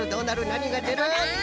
なにがでる？